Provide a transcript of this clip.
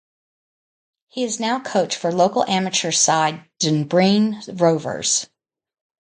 He is now coach for local amateur side Dunbreen Rovers.